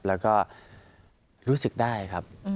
แล้วก็รู้สึกได้ครับ